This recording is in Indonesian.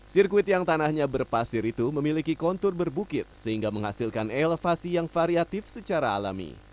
sirkuit yang tanahnya berpasir itu memiliki kontur berbukit sehingga menghasilkan elevasi yang variatif secara alami